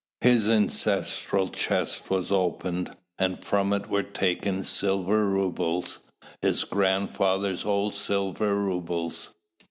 His ancestral chest was opened, and from it were taken silver rubles, his grandfather's old silver rubles!